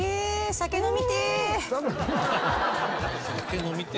酒飲みてえ！